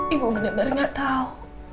ibu bener bener gak tau